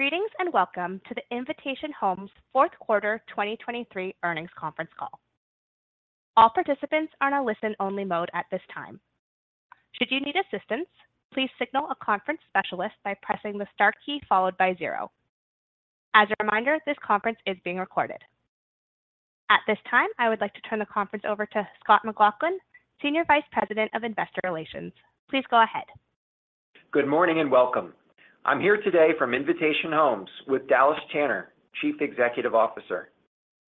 Greetings, and welcome to the Invitation Homes Fourth Quarter 2023 Earnings Conference Call. All participants are in a listen-only mode at this time. Should you need assistance, please signal a conference specialist by pressing the star key followed by zero. As a reminder, this conference is being recorded. At this time, I would like to turn the conference over to Scott McLaughlin, Senior Vice President of Investor Relations. Please go ahead. Good morning, and welcome. I'm here today from Invitation Homes with Dallas Tanner, Chief Executive Officer,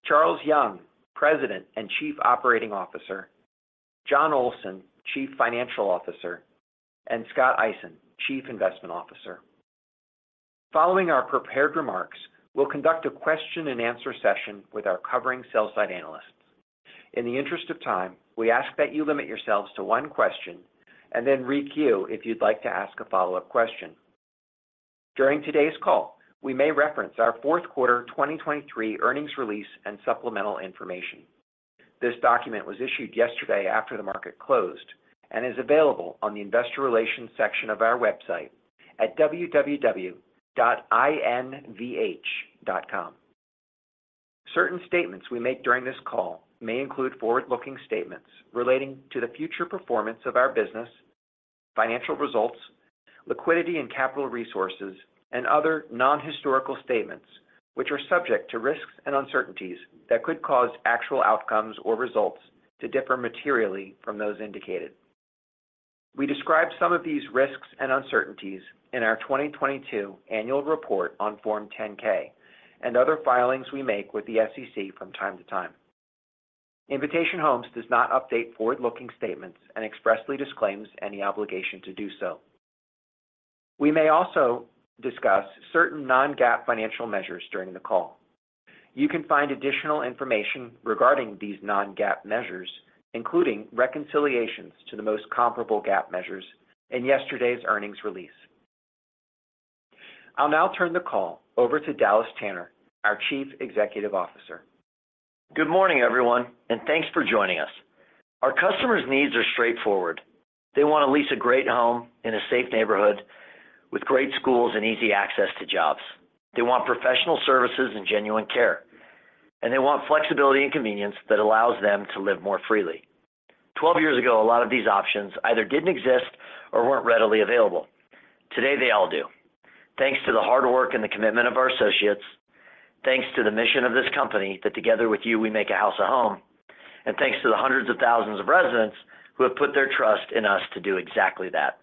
Charles Young, President and Chief Operating Officer, Jon Olsen, Chief Financial Officer, and Scott Eisen, Chief Investment Officer. Following our prepared remarks, we'll conduct a question-and-answer session with our covering sell-side analysts. In the interest of time, we ask that you limit yourselves to one question and then re queue if you'd like to ask a follow-up question. During today's call, we may reference our fourth quarter 2023 earnings release and supplemental information. This document was issued yesterday after the market closed and is available on the Investor Relations section of our website at www.invh.com. Certain statements we make during this call may include forward-looking statements relating to the future performance of our business, financial results, liquidity and capital resources, and other non-historical statements, which are subject to risks and uncertainties that could cause actual outcomes or results to differ materially from those indicated. We describe some of these risks and uncertainties in our 2022 annual report on Form 10-K and other filings we make with the SEC from time to time. Invitation Homes does not update forward-looking statements and expressly disclaims any obligation to do so. We may also discuss certain non-GAAP financial measures during the call. You can find additional information regarding these non-GAAP measures, including reconciliations to the most comparable GAAP measures in yesterday's earnings release. I'll now turn the call over to Dallas Tanner, our Chief Executive Officer. Good morning, everyone, and thanks for joining us. Our customers' needs are straightforward. They want to lease a great home in a safe neighborhood with great schools and easy access to jobs. They want professional services and genuine care, and they want flexibility and convenience that allows them to live more freely. 12 years ago, a lot of these options either didn't exist or weren't readily available. Today, they all do. Thanks to the hard work and the commitment of our associates, thanks to the mission of this company, that together with you, we make a house a home, and thanks to the hundreds of thousands of residents who have put their trust in us to do exactly that.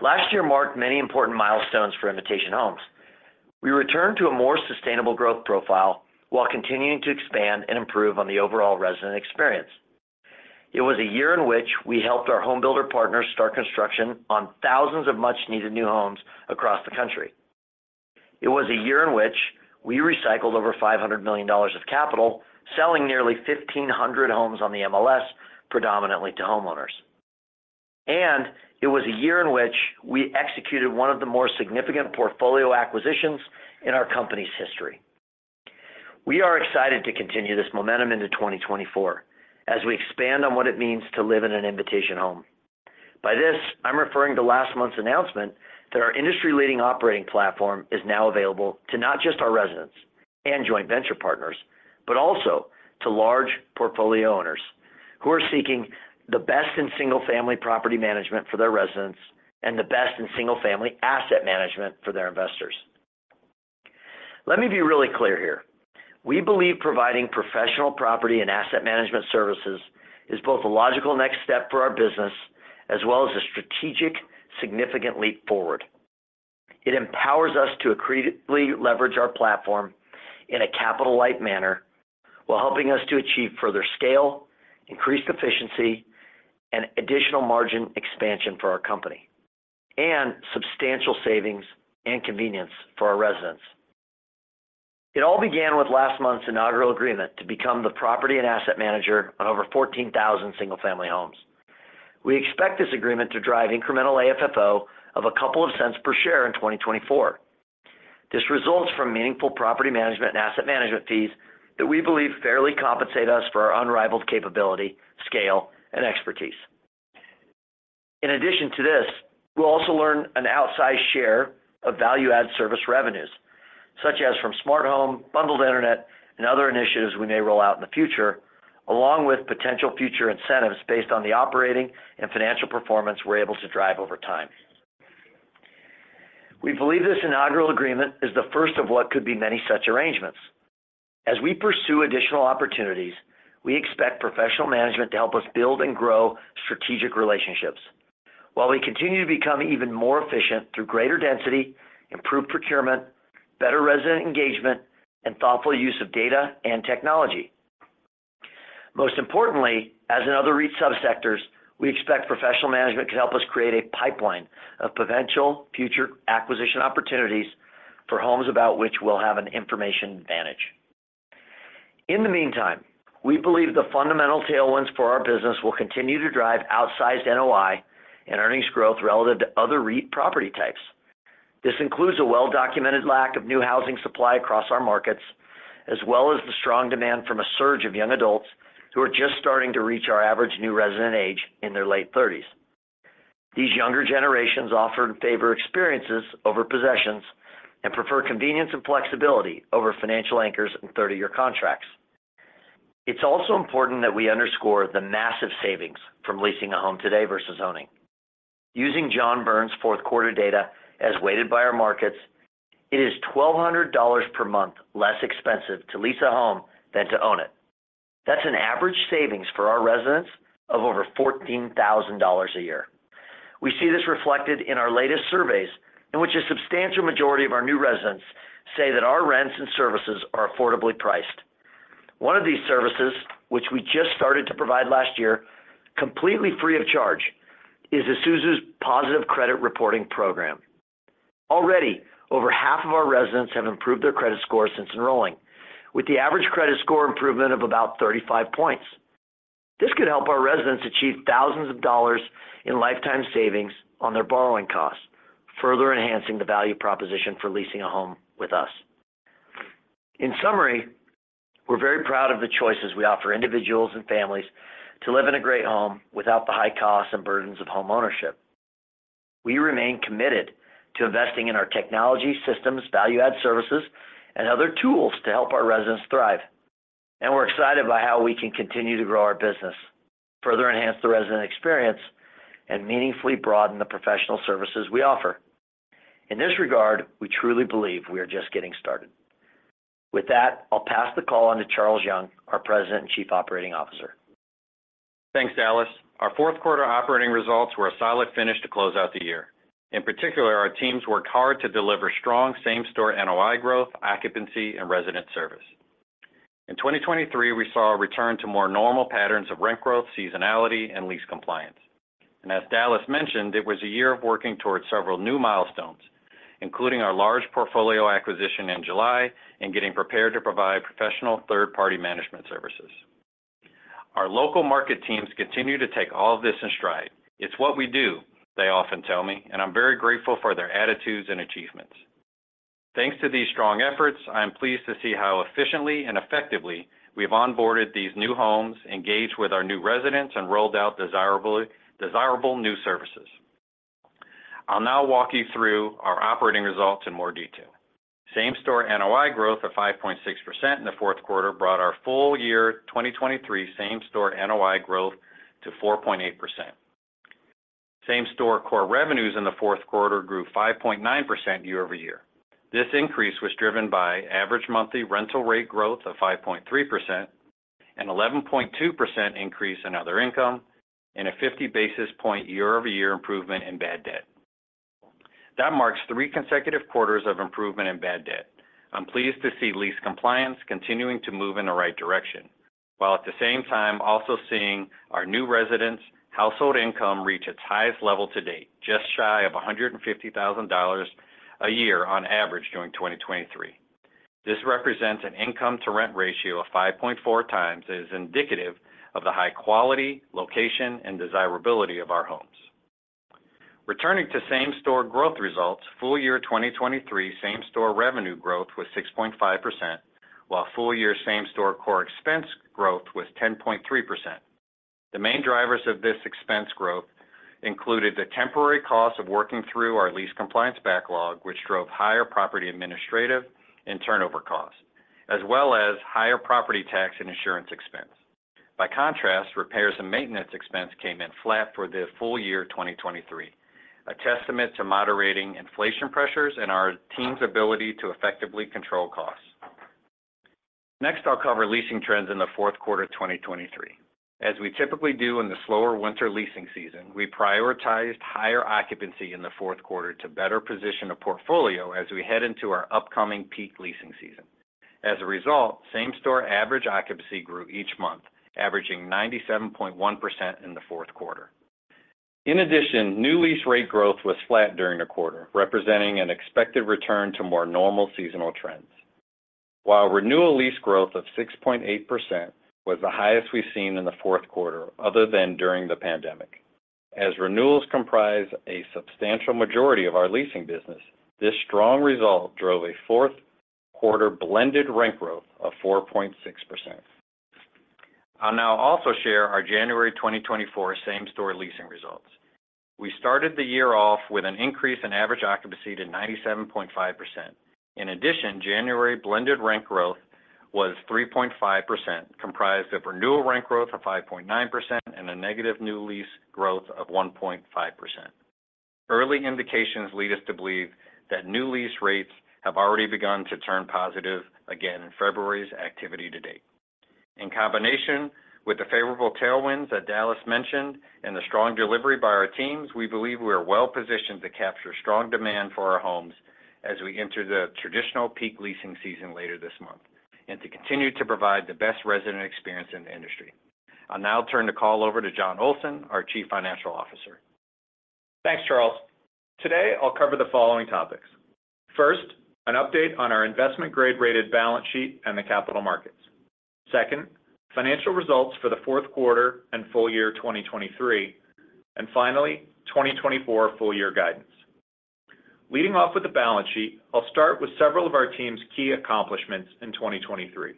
Last year marked many important milestones for Invitation Homes. We returned to a more sustainable growth profile while continuing to expand and improve on the overall resident experience. It was a year in which we helped our home builder partners start construction on thousands of much-needed new homes across the country. It was a year in which we recycled over $500 million of capital, selling nearly 1,500 homes on the MLS, predominantly to homeowners. It was a year in which we executed one of the more significant portfolio acquisitions in our company's history. We are excited to continue this momentum into 2024 as we expand on what it means to live in an Invitation Home. By this, I'm referring to last month's announcement that our industry-leading operating platform is now available to not just our residents and joint venture partners, but also to large portfolio owners who are seeking the best in single-family property management for their residents and the best in single-family asset management for their investors. Let me be really clear here. We believe providing professional property and asset management services is both a logical next step for our business as well as a strategic, significant leap forward. It empowers us to accretively leverage our platform in a capital-light manner while helping us to achieve further scale, increased efficiency, and additional margin expansion for our company, and substantial savings and convenience for our residents. It all began with last month's inaugural agreement to become the property and asset manager on over 14,000 single-family homes. We expect this agreement to drive incremental AFFO of a couple of cents per share in 2024. This results from meaningful property management and asset management fees that we believe fairly compensate us for our unrivaled capability, scale, and expertise. In addition to this, we'll also learn an outsized share of value-add service revenues, such as from Smart Home, bundled internet, and other initiatives we may roll out in the future, along with potential future incentives based on the operating and financial performance we're able to drive over time. We believe this inaugural agreement is the first of what could be many such arrangements. As we pursue additional opportunities, we expect professional management to help us build and grow strategic relationships while we continue to become even more efficient through greater density, improved procurement, better resident engagement, and thoughtful use of data and technology. Most importantly, as in other REIT subsectors, we expect professional management to help us create a pipeline of potential future acquisition opportunities for homes about which we'll have an information advantage. In the meantime, we believe the fundamental tailwinds for our business will continue to drive outsized NOI and earnings growth relative to other REIT property types. This includes a well-documented lack of new housing supply across our markets as well as the strong demand from a surge of young adults who are just starting to reach our average new resident age in their late thirties. These younger generations often favor experiences over possessions and prefer convenience and flexibility over financial anchors and 30 year contracts. It's also important that we underscore the massive savings from leasing a home today versus owning. Using John Burns' fourth quarter data as weighted by our markets, it is $1,200 per month less expensive to lease a home than to own it. That's an average savings for our residents of over $14,000 a year. We see this reflected in our latest surveys, in which a substantial majority of our new residents say that our rents and services are affordably priced. One of these services, which we just started to provide last year, completely free of charge, is Esusu's Positive Credit Reporting Program. Already, over half of our residents have improved their credit score since enrolling, with the average credit score improvement of about 35 points. This could help our residents achieve thousands of dollars in lifetime savings on their borrowing costs, further enhancing the value proposition for leasing a home with us. In summary, we're very proud of the choices we offer individuals and families to live in a great home without the high costs and burdens of homeownership. We remain committed to investing in our technology systems, value-add services, and other tools to help our residents thrive, and we're excited by how we can continue to grow our business, further enhance the resident experience, and meaningfully broaden the professional services we offer. In this regard, we truly believe we are just getting started. With that, I'll pass the call on to Charles Young, our President and Chief Operating Officer. Thanks, Dallas. Our fourth quarter operating results were a solid finish to close out the year. In particular, our teams worked hard to deliver strong same-store NOI growth, occupancy, and resident service. In 2023, we saw a return to more normal patterns of rent growth, seasonality, and lease compliance. And as Dallas mentioned, it was a year of working towards several new milestones, including our large portfolio acquisition in July and getting prepared to provide professional third-party management services. Our local market teams continue to take all of this in stride. "It's what we do," they often tell me, and I'm very grateful for their attitudes and achievements. Thanks to these strong efforts, I am pleased to see how efficiently and effectively we have onboarded these new homes, engaged with our new residents, and rolled out desirable new services. I'll now walk you through our operating results in more detail. Same-store NOI growth of 5.6% in the fourth quarter brought our full-year 2023 same-store NOI growth to 4.8%. Same-store core revenues in the fourth quarter grew 5.9% year-over-year. This increase was driven by average monthly rental rate growth of 5.3%, an 11.2% increase in other income, and a 50 basis points year-over-year improvement in bad debt. That marks three consecutive quarters of improvement in bad debt. I'm pleased to see lease compliance continuing to move in the right direction, while at the same time also seeing our new residents' household income reach its highest level to date, just shy of $150,000 a year on average during 2023. This represents an income-to-rent ratio of 5.4x and is indicative of the high quality, location, and desirability of our homes. Returning to same-store growth results, full year 2023 same-store revenue growth was 6.5%, while full year same-store core expense growth was 10.3%. The main drivers of this expense growth included the temporary cost of working through our lease compliance backlog, which drove higher property administrative and turnover costs, as well as higher property tax and insurance expense. By contrast, repairs and maintenance expense came in flat for the full year 2023, a testament to moderating inflation pressures and our team's ability to effectively control costs. Next, I'll cover leasing trends in the fourth quarter of 2023. As we typically do in the slower winter leasing season, we prioritized higher occupancy in the fourth quarter to better position a portfolio as we head into our upcoming peak leasing season. As a result, same-store average occupancy grew each month, averaging 97.1% in the fourth quarter. In addition, new lease rate growth was flat during the quarter, representing an expected return to more normal seasonal trends. While renewal lease growth of 6.8% was the highest we've seen in the fourth quarter, other than during the pandemic. As renewals comprise a substantial majority of our leasing business, this strong result drove a fourth quarter blended rent growth of 4.6%. I'll now also share our January 2024 same-store leasing results. We started the year off with an increase in average occupancy to 97.5%. In addition, January blended rent growth was 3.5%, comprised of renewal rent growth of 5.9% and a negative new lease growth of 1.5%. Early indications lead us to believe that new lease rates have already begun to turn positive again in February's activity to date. In combination with the favorable tailwinds that Dallas mentioned and the strong delivery by our teams, we believe we are well positioned to capture strong demand for our homes as we enter the traditional peak leasing season later this month, and to continue to provide the best resident experience in the industry. I'll now turn the call over to Jon Olsen, our Chief Financial Officer. Thanks, Charles. Today, I'll cover the following topics. First, an update on our Investment Grade rated balance sheet and the capital markets. Second, financial results for the fourth quarter and full year 2023. And finally, 2024 full year guidance.... Leading off with the balance sheet, I'll start with several of our team's key accomplishments in 2023.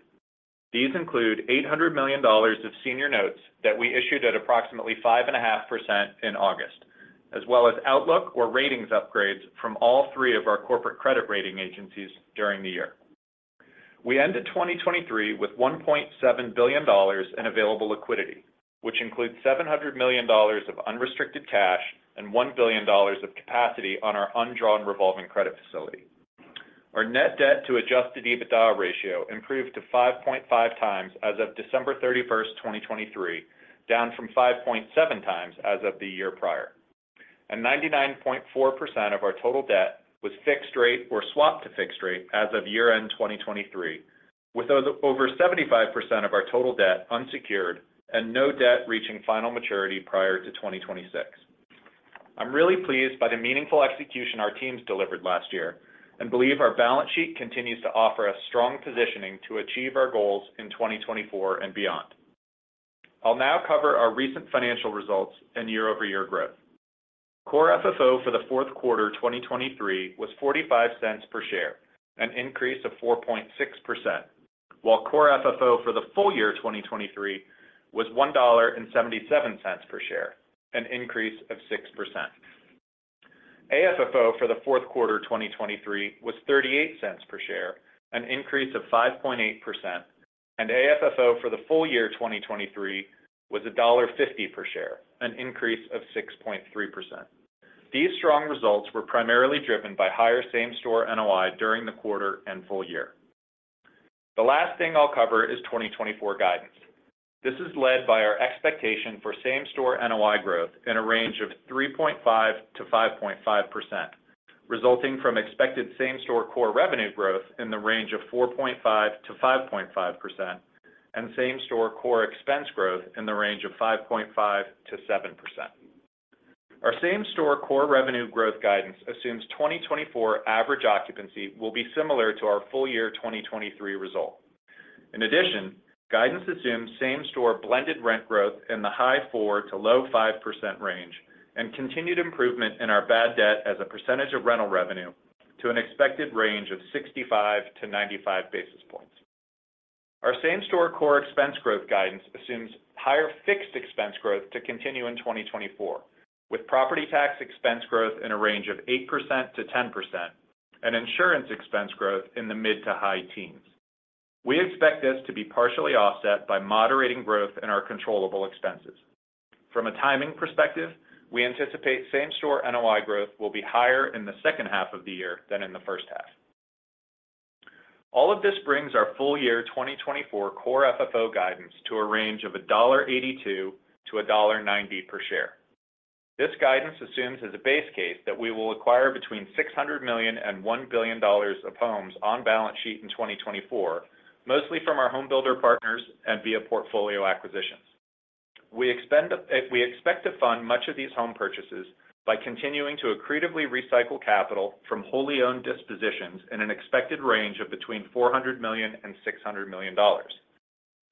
These include $800 million of senior notes that we issued at approximately 5.5% in August, as well as outlook or ratings upgrades from all three of our corporate credit rating agencies during the year. We ended 2023 with $1.7 billion in available liquidity, which includes $700 million of unrestricted cash and $1 billion of capacity on our undrawn revolving credit facility. Our net debt to adjusted EBITDA ratio improved to 5.5x as of December 31st, 2023, down from 5.7x as of the year prior. 99.4% of our total debt was fixed rate or swapped to fixed rate as of year-end 2023, with those over 75% of our total debt unsecured and no debt reaching final maturity prior to 2026. I'm really pleased by the meaningful execution our teams delivered last year and believe our balance sheet continues to offer us strong positioning to achieve our goals in 2024 and beyond. I'll now cover our recent financial results and year-over-year growth. Core FFO for the fourth quarter 2023 was $0.45 per share, an increase of 4.6%, while core FFO for the full year 2023 was $1.77 per share, an increase of 6%. AFFO for the fourth quarter 2023 was $0.38 per share, an increase of 5.8%, and AFFO for the full year 2023 was $1.50 per share, an increase of 6.3%. These strong results were primarily driven by higher same-store NOI during the quarter and full year. The last thing I'll cover is 2024 guidance. This is led by our expectation for same-store NOI growth in a range of 3.5%-5.5%, resulting from expected same-store core revenue growth in the range of 4.5%-5.5% and same-store core expense growth in the range of 5.5%-7%. Our same-store core revenue growth guidance assumes 2024 average occupancy will be similar to our full year 2023 result. In addition, guidance assumes same-store blended rent growth in the high 4% to low 5% range and continued improvement in our bad debt as a percentage of rental revenue to an expected range of 65 basis points-95 basis points. Our same-store core expense growth guidance assumes higher fixed expense growth to continue in 2024, with property tax expense growth in a range of 8%-10% and insurance expense growth in the mid- to high-teens. We expect this to be partially offset by moderating growth in our controllable expenses. From a timing perspective, we anticipate same-store NOI growth will be higher in the second half of the year than in the first half. All of this brings our full year 2024 core FFO guidance to a range of $1.82-$1.90 per share. This guidance assumes, as a base case, that we will acquire between $600 million and $1 billion of homes on balance sheet in 2024, mostly from our home builder partners and via portfolio acquisitions. We expect to fund much of these home purchases by continuing to accretively recycle capital from wholly owned dispositions in an expected range of between $400 million and $600 million.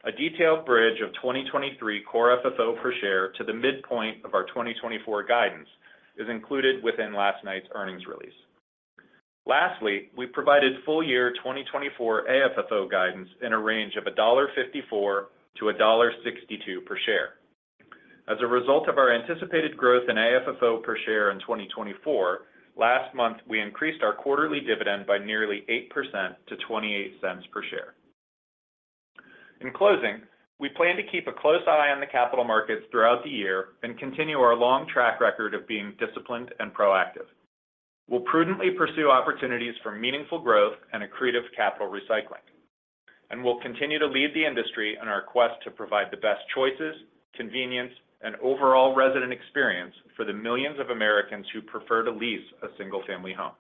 A detailed bridge of 2023 Core FFO per share to the midpoint of our 2024 guidance is included within last night's earnings release. Lastly, we provided full-year 2024 AFFO guidance in a range of $1.54-$1.62 per share. As a result of our anticipated growth in AFFO per share in 2024, last month, we increased our quarterly dividend by nearly 8% to $0.28 per share. In closing, we plan to keep a close eye on the capital markets throughout the year and continue our long track record of being disciplined and proactive. We'll prudently pursue opportunities for meaningful growth and accretive capital recycling, and we'll continue to lead the industry in our quest to provide the best choices, convenience, and overall resident experience for the millions of Americans who prefer to lease a single-family home.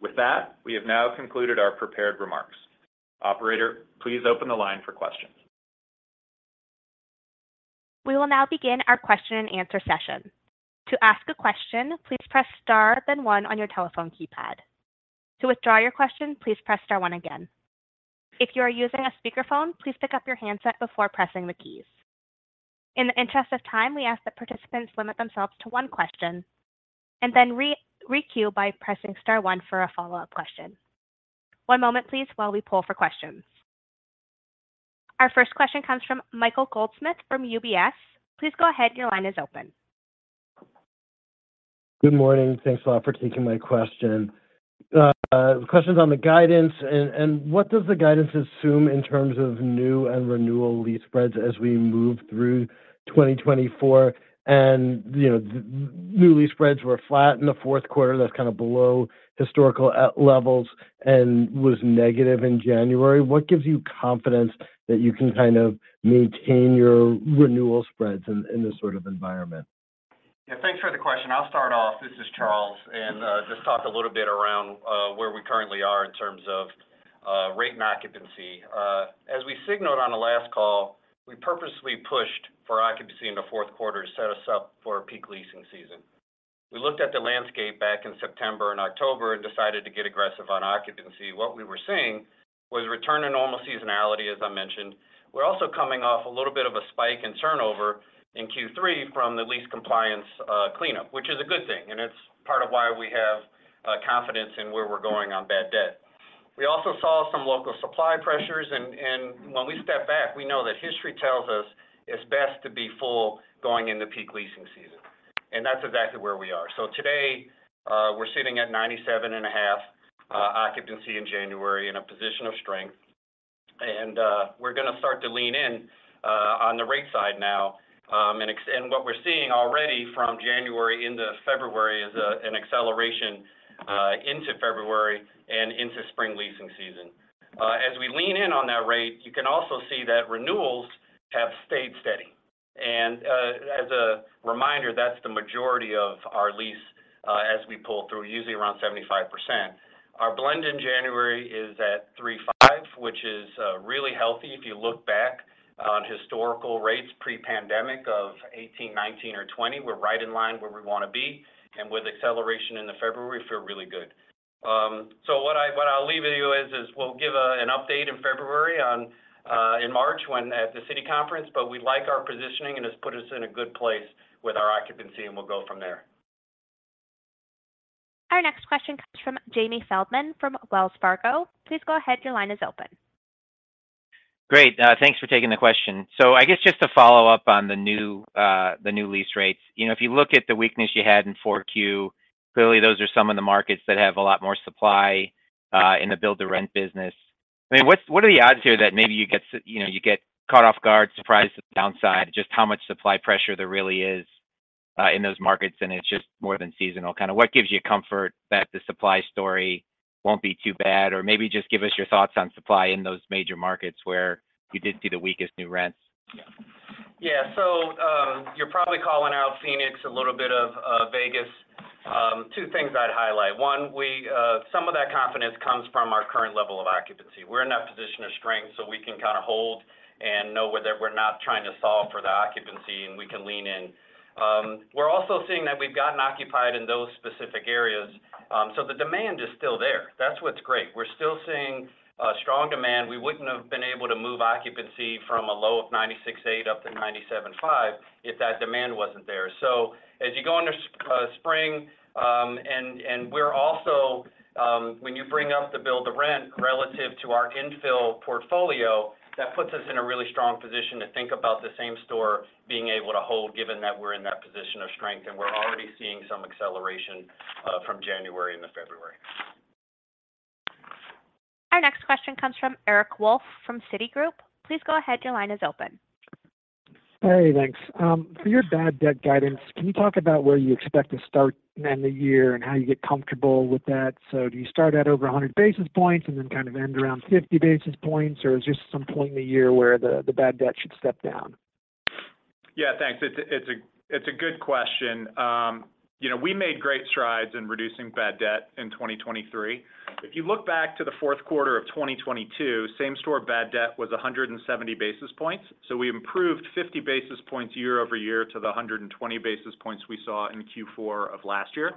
With that, we have now concluded our prepared remarks. Operator, please open the line for questions. We will now begin our question and answer session. To ask a question, please press star, then one on your telephone keypad. To withdraw your question, please press star one again. If you are using a speakerphone, please pick up your handset before pressing the keys. In the interest of time, we ask that participants limit themselves to one question and then requeue by pressing star one for a follow-up question. One moment please, while we poll for questions. Our first question comes from Michael Goldsmith from UBS. Please go ahead. Your line is open. Good morning. Thanks a lot for taking my question. The question is on the guidance, and what does the guidance assume in terms of new and renewal lease spreads as we move through 2024? And, you know, new lease spreads were flat in the fourth quarter. That's kind of below historical levels and was negative in January. What gives you confidence that you can kind of maintain your renewal spreads in this sort of environment? Yeah, thanks for the question. I'll start off. This is Charles, and just talk a little bit around where we currently are in terms of rate and occupancy. As we signaled on the last call, we purposely pushed for occupancy in the fourth quarter to set us up for a peak leasing season. We looked at the landscape back in September and October and decided to get aggressive on occupancy. What we were seeing was return to normal seasonality, as I mentioned. We're also coming off a little bit of a spike in turnover in Q3 from the lease compliance cleanup, which is a good thing, and it's part of why we have confidence in where we're going on bad debt. We also saw some local supply pressures, and when we step back, we know that history tells us it's best to be full going into peak leasing season, and that's exactly where we are. So today, we're sitting at 97.5% occupancy in January in a position of strength. And we're going to start to lean in on the rate side now. And what we're seeing already from January into February is an acceleration into February and into spring leasing season. As we lean in on that rate, you can also see that renewals have stayed steady. And as a reminder, that's the majority of our lease as we pull through, usually around 75%. Our blend in January is at 3.5%, which is really healthy. If you look back on historical rates pre-pandemic of 2018, 2019 or 2020, we're right in line where we want to be, and with acceleration into February, we feel really good. So what I, what I'll leave with you is we'll give an update in February on in March when at the Citi conference, but we like our positioning, and it's put us in a good place with our occupancy, and we'll go from there. Our next question comes from Jamie Feldman from Wells Fargo. Please go ahead. Your line is open. Great, thanks for taking the question. So I guess just to follow up on the new, the new lease rates. You know, if you look at the weakness you had in 4Q, clearly, those are some of the markets that have a lot more supply in the build-to-rent business. I mean, what are the odds here that maybe you get, you know, you get caught off guard, surprised at the downside, just how much supply pressure there really is in those markets, and it's just more than seasonal? Kind of what gives you comfort that the supply story won't be too bad, or maybe just give us your thoughts on supply in those major markets where you did see the weakest new rents? Yeah. So, you're probably calling out Phoenix, a little bit of Vegas. Two things I'd highlight: One, some of that confidence comes from our current level of occupancy. We're in that position of strength, so we can kind of hold and know whether we're not trying to solve for the occupancy, and we can lean in. We're also seeing that we've gotten occupied in those specific areas, so the demand is still there. That's what's great. We're still seeing strong demand. We wouldn't have been able to move occupancy from a low of 96.8% up to 97.5% if that demand wasn't there. So as you go into spring, and we're also, when you bring up the build-to-rent relative to our infill portfolio, that puts us in a really strong position to think about the same-store being able to hold, given that we're in that position of strength, and we're already seeing some acceleration from January into February. Our next question comes from Eric Wolfe from Citigroup. Please go ahead. Your line is open. Hey, thanks. For your bad debt guidance, can you talk about where you expect to start and end the year and how you get comfortable with that? So do you start at over 100 basis points and then kind of end around 50 basis points, or is there some point in the year where the bad debt should step down? Yeah, thanks. It's a good question. You know, we made great strides in reducing bad debt in 2023. If you look back to the fourth quarter of 2022, same-store bad debt was 170 basis points. So we improved 50 basis points year-over-year to the 120 basis points we saw in Q4 of last year.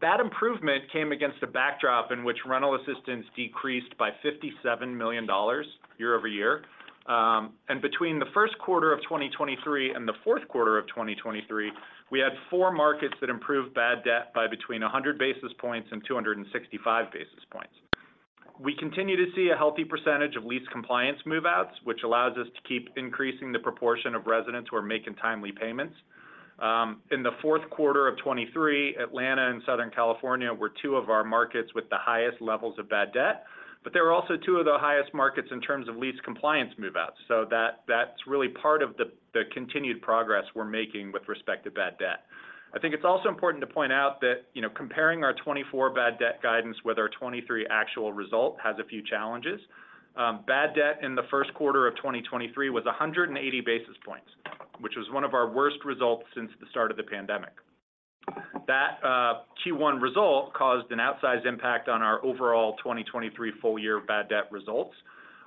That improvement came against a backdrop in which rental assistance decreased by $57 million year-over-year. And between the first quarter of 2023 and the fourth quarter of 2023, we had four markets that improved bad debt by between 100 basis points and 265 basis points. We continue to see a healthy percentage of lease compliance move-outs, which allows us to keep increasing the proportion of residents who are making timely payments. In the fourth quarter of 2023, Atlanta and Southern California were two of our markets with the highest levels of bad debt, but they were also two of the highest markets in terms of lease compliance move-outs. So that, that's really part of the, the continued progress we're making with respect to bad debt. I think it's also important to point out that, you know, comparing our 2024 bad debt guidance with our 2023 actual result has a few challenges. Bad debt in the first quarter of 2023 was 180 basis points, which was one of our worst results since the start of the pandemic. That Q1 result caused an outsized impact on our overall 2023 full year bad debt results.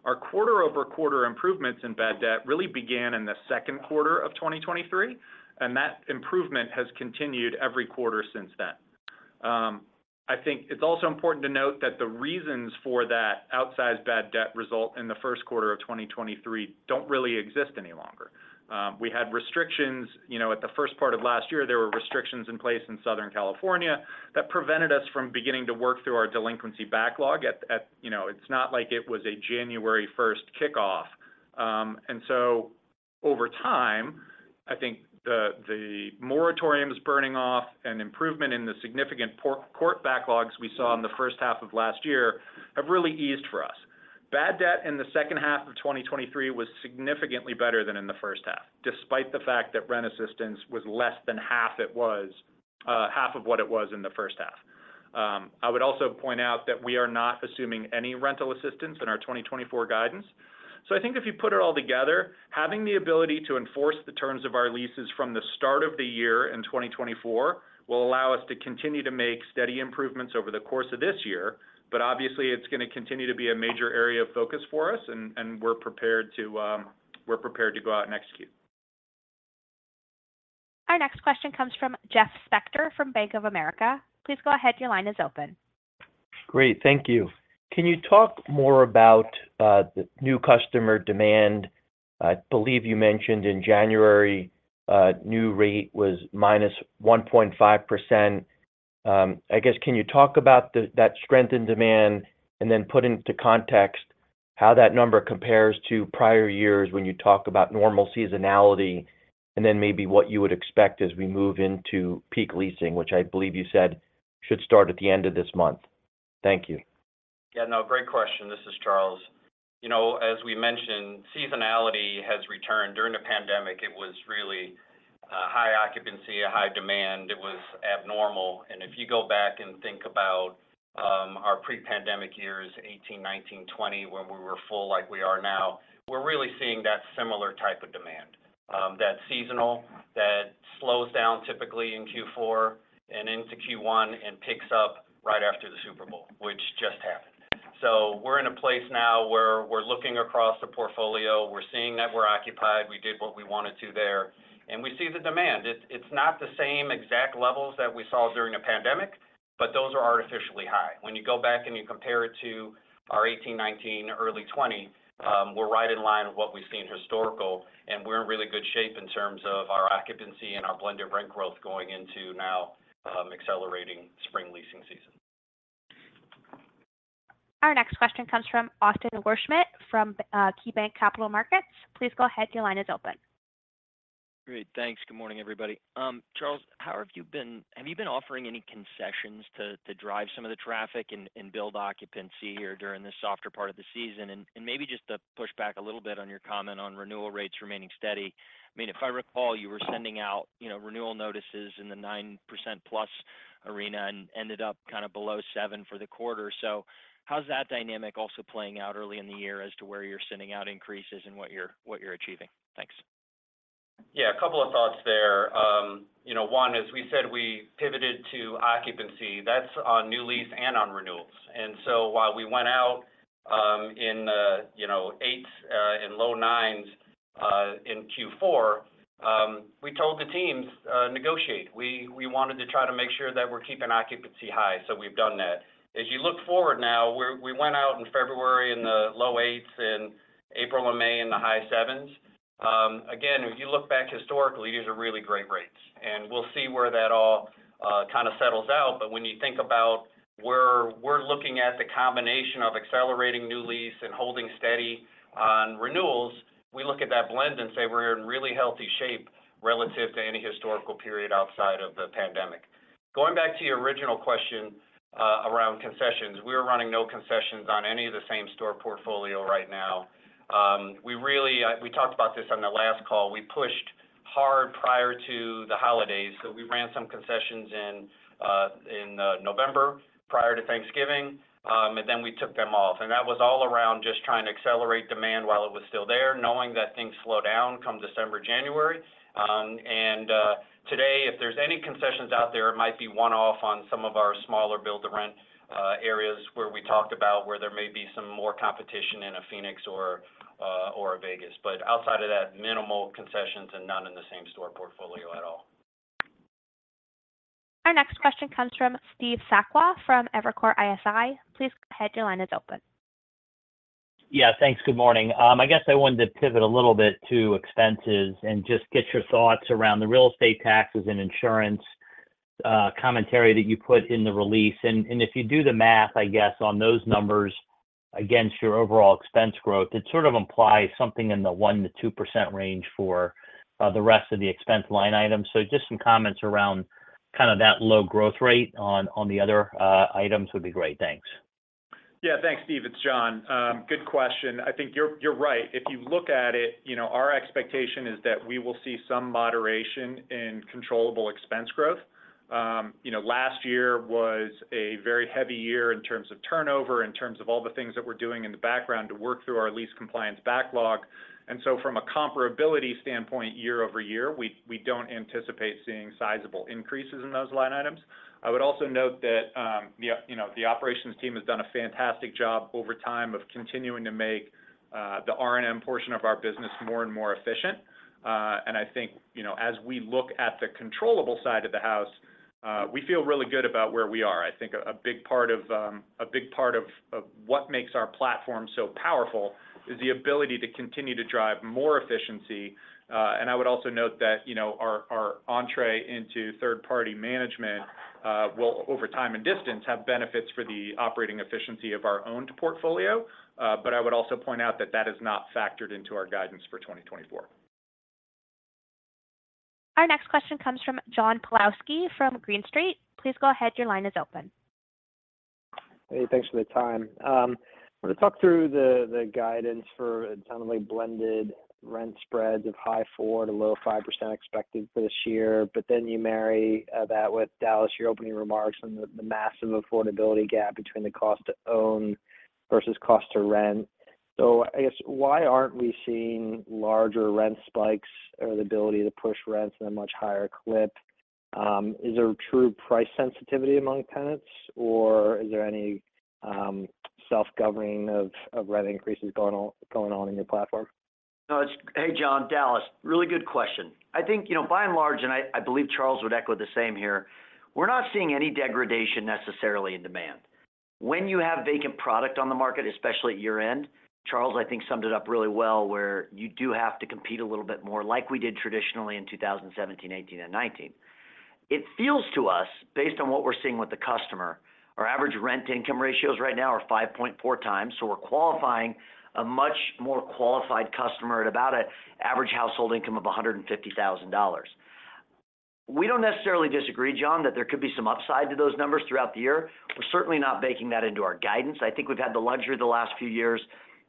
Our quarter-over-quarter improvements in bad debt really began in the second quarter of 2023, and that improvement has continued every quarter since then. I think it's also important to note that the reasons for that outsized bad debt result in the first quarter of 2023 don't really exist any longer. We had restrictions. You know, at the first part of last year, there were restrictions in place in Southern California that prevented us from beginning to work through our delinquency backlog at. You know, it's not like it was a January 1st kickoff. And so over time, I think the moratoriums burning off and improvement in the significant court backlogs we saw in the first half of last year have really eased for us. Bad debt in the second half of 2023 was significantly better than in the first half, despite the fact that rent assistance was less than half it was, half of what it was in the first half. I would also point out that we are not assuming any rental assistance in our 2024 guidance. So I think if you put it all together, having the ability to enforce the terms of our leases from the start of the year in 2024, will allow us to continue to make steady improvements over the course of this year. But obviously, it's going to continue to be a major area of focus for us, and we're prepared to go out and execute. Our next question comes from Jeff Spector from Bank of America. Please go ahead. Your line is open. Great, thank you. Can you talk more about the new customer demand? I believe you mentioned in January, new rate was minus 1.5%. I guess, can you talk about that strength in demand, and then put into context how that number compares to prior years when you talk about normal seasonality, and then maybe what you would expect as we move into peak leasing, which I believe you said should start at the end of this month? Thank you. Yeah, no, great question. This is Charles. You know, as we mentioned, seasonality has returned. During the pandemic, it was really high occupancy, a high demand. It was abnormal. And if you go back and think about our pre-pandemic years, 2018, 2019, 2020, when we were full like we are now, we're really seeing that similar type of demand. That's seasonal, that slows down typically in Q4 and into Q1, and picks up right after the Super Bowl, which just happened. So we're in a place now where we're looking across the portfolio, we're seeing that we're occupied. We did what we wanted to there, and we see the demand. It's not the same exact levels that we saw during a pandemic, but those are artificially high. When you go back and you compare it to our 2018, 2019, early 2020, we're right in line with what we've seen historical, and we're in really good shape in terms of our occupancy and our blended rent growth going into now, accelerating spring leasing season. Our next question comes from Austin Wurschmidt, from KeyBanc Capital Markets. Please go ahead. Your line is open. Great. Thanks. Good morning, everybody. Charles, how have you been? Have you been offering any concessions to drive some of the traffic and build occupancy here during this softer part of the season? And maybe just to push back a little bit on your comment on renewal rates remaining steady. I mean, if I recall, you were sending out, you know, renewal notices in the 9%+ arena and ended up kind of below 7% for the quarter. So how's that dynamic also playing out early in the year as to where you're sending out increases and what you're achieving? Thanks. Yeah, a couple of thoughts there. You know, one, as we said, we pivoted to occupancy, that's on new lease and on renewals. And so while we went out, you know, in 8% and low 9%, in Q4, we told the teams, negotiate. We wanted to try to make sure that we're keeping occupancy high, so we've done that. As you look forward now, we went out in February in the low 8%, in April and May, in the high 7%. Again, if you look back historically, these are really great rates, and we'll see where that all kind of settles out. But when you think about where we're looking at the combination of accelerating new lease and holding steady on renewals, we look at that blend and say we're in really healthy shape relative to any historical period outside of the pandemic. Going back to your original question around concessions, we are running no concessions on any of the same store portfolio right now. We really talked about this on the last call. We pushed hard prior to the holidays, so we ran some concessions in November, prior to Thanksgiving, and then we took them off. And that was all around just trying to accelerate demand while it was still there, knowing that things slow down come December, January. Today, if there's any concessions out there, it might be one-off on some of our smaller build-to-rent areas where we talked about where there may be some more competition in a Phoenix or a Vegas. But outside of that, minimal concessions and none in the same store portfolio at all. Our next question comes from Steve Sakwa, from Evercore ISI. Please go ahead. Your line is open. Yeah, thanks. Good morning. I guess I wanted to pivot a little bit to expenses and just get your thoughts around the real estate taxes and insurance commentary that you put in the release. And if you do the math, I guess, on those numbers against your overall expense growth, it sort of implies something in the 1%-2% range for the rest of the expense line items. So just some comments around kind of that low growth rate on the other items would be great. Thanks. Yeah. Thanks, Steve. It's Jon. Good question. I think you're right. If you look at it, you know, our expectation is that we will see some moderation in controllable expense growth. You know, last year was a very heavy year in terms of turnover, in terms of all the things that we're doing in the background to work through our lease compliance backlog. And so from a comparability standpoint, year-over-year, we don't anticipate seeing sizable increases in those line items. I would also note that, you know, the operations team has done a fantastic job over time of continuing to make the R&M portion of our business more and more efficient. And I think, you know, as we look at the controllable side of the house, we feel really good about where we are. I think a big part of what makes our platform so powerful is the ability to continue to drive more efficiency. And I would also note that, you know, our entry into third-party management will, over time and distance, have benefits for the operating efficiency of our own portfolio. But I would also point out that that is not factored into our guidance for 2024. Our next question comes from John Pawlowski, from Green Street. Please go ahead. Your line is open. Hey, thanks for the time. I want to talk through the guidance for internally blended rent spreads of high 4% to low 5% expected for this year, but then you marry that with Dallas, your opening remarks on the massive affordability gap between the cost to own versus cost to rent. So I guess, why aren't we seeing larger rent spikes or the ability to push rents at a much higher clip? Is there a true price sensitivity among tenants, or is there any self-governing of rent increases going on in your platform? No, it's-- Hey, John, Dallas. Really good question. I think, you know, by and large, and I, I believe Charles would echo the same here, we're not seeing any degradation necessarily in demand. When you have vacant product on the market, especially at year-end, Charles, I think, summed it up really well, where you do have to compete a little bit more like we did traditionally in 2017, 2018, and 2019. It feels to us, based on what we're seeing with the customer, our average rent-to-income ratios right now are 5.4x, so we're qualifying a much more qualified customer at about an average household income of $150,000. We don't necessarily disagree, John, that there could be some upside to those numbers throughout the year. We're certainly not baking that into our guidance. I think we've had the luxury of the last few years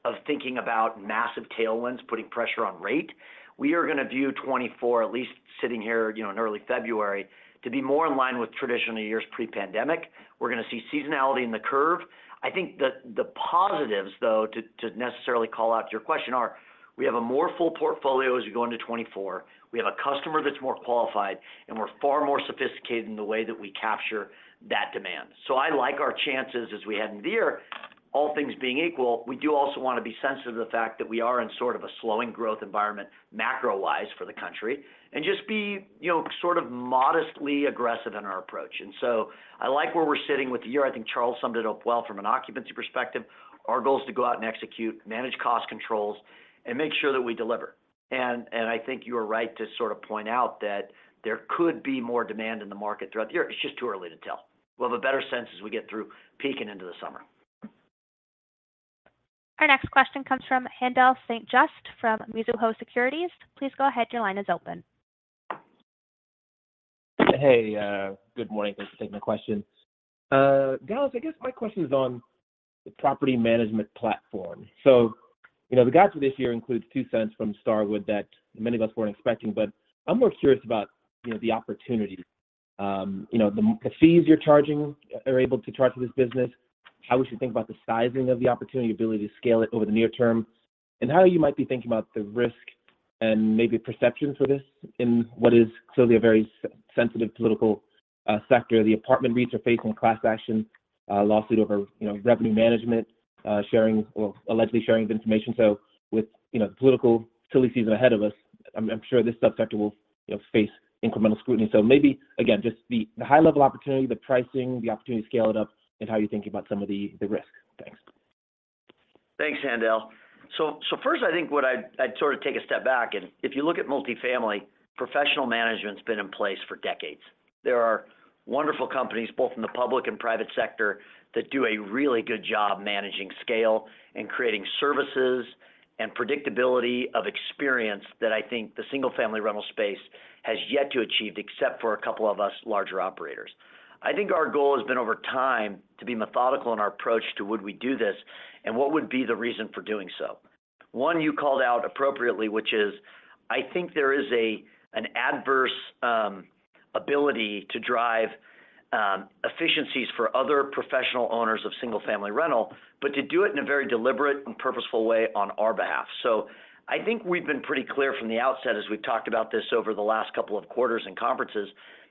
of thinking about massive tailwinds, putting pressure on rate. We are gonna view 2024, at least sitting here, you know, in early February, to be more in line with traditional years pre-pandemic. We're gonna see seasonality in the curve. I think the, the positives, though, to, to necessarily call out to your question are: we have a more full portfolio as we go into 2024, we have a customer that's more qualified, and we're far more sophisticated in the way that we capture that demand. So I like our chances as we head into the year. All things being equal, we do also want to be sensitive to the fact that we are in sort of a slowing growth environment, macro-wise, for the country, and just be, you know, sort of modestly aggressive in our approach. So I like where we're sitting with the year. I think Charles summed it up well from an occupancy perspective. Our goal is to go out and execute, manage cost controls, and make sure that we deliver. And I think you are right to sort of point out that there could be more demand in the market throughout the year. It's just too early to tell. We'll have a better sense as we get through peak and into the summer. Our next question comes from Haendel St. Juste from Mizuho Securities. Please go ahead. Your line is open. Hey, good morning. Thanks for taking my question. Dallas, I guess my question is on the property management platform. So, you know, the guide for this year includes $0.02 from Starwood that many of us weren't expecting, but I'm more curious about, you know, the opportunity, you know, the fees you're charging, are able to charge for this business, how we should think about the sizing of the opportunity, ability to scale it over the near term, and how you might be thinking about the risk and maybe perception for this in what is clearly a very sensitive political sector. The apartment REITs are facing a class action lawsuit over, you know, revenue management sharing or allegedly sharing of information. So with, you know, political silly season ahead of us, I'm sure this subsector will, you know, face incremental scrutiny. Maybe, again, just the high-level opportunity, the pricing, the opportunity to scale it up, and how you're thinking about some of the risk. Thanks. Thanks, Haendel. So, so first, I think what I'd sort of take a step back, and if you look at multifamily, professional management's been in place for decades. There are wonderful companies, both in the public and private sector, that do a really good job managing scale and creating services and predictability of experience that I think the single-family rental space has yet to achieve, except for a couple of us larger operators. I think our goal has been, over time, to be methodical in our approach to would we do this, and what would be the reason for doing so? One, you called out appropriately, which is I think there is a, an adverse ability to drive efficiencies for other professional owners of single-family rental, but to do it in a very deliberate and purposeful way on our behalf. So I think we've been pretty clear from the outset, as we've talked about this over the last couple of quarters and conferences,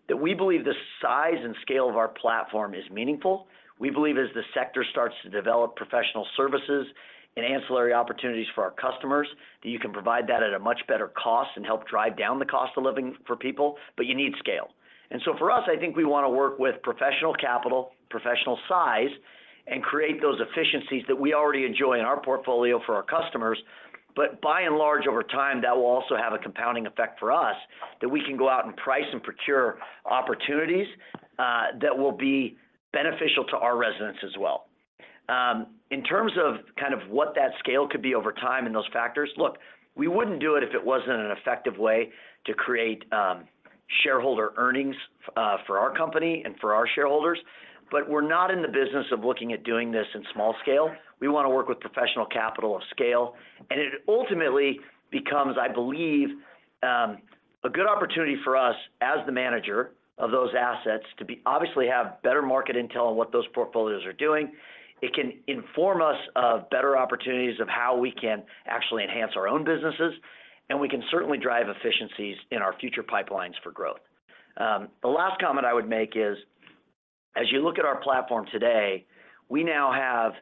that we believe the size and scale of our platform is meaningful. We believe as the sector starts to develop professional services and ancillary opportunities for our customers, that you can provide that at a much better cost and help drive down the cost of living for people, but you need scale. And so for us, I think we want to work with professional capital, professional size, and create those efficiencies that we already enjoy in our portfolio for our customers. But by and large, over time, that will also have a compounding effect for us, that we can go out and price and procure opportunities that will be beneficial to our residents as well. In terms of kind of what that scale could be over time and those factors, look, we wouldn't do it if it wasn't an effective way to create shareholder earnings for our company and for our shareholders, but we're not in the business of looking at doing this in small scale. We want to work with professional capital of scale, and it ultimately becomes, I believe, a good opportunity for us, as the manager of those assets, to obviously have better market intel on what those portfolios are doing. It can inform us of better opportunities of how we can actually enhance our own businesses, and we can certainly drive efficiencies in our future pipelines for growth. The last comment I would make is, as you look at our platform today, we now have